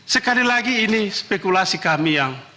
sekali lagi ini spekulasi kami yang